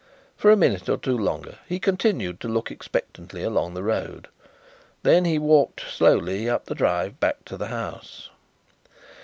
For a minute or two longer he continued to look expectantly along the road. Then he walked slowly up the drive back to the house.